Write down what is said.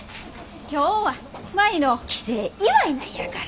今日は舞の帰省祝いなんやから。